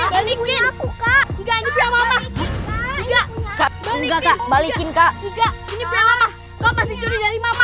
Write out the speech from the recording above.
balikin balikin kak ini